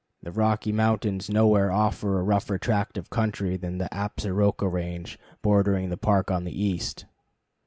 The Rocky Mountains nowhere offer a rougher tract of country than the Absaroka Range bordering the Park on the east.